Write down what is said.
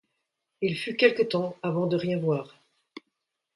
Il fut quelque temps avant de rien voir.